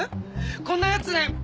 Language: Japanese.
こんなやつね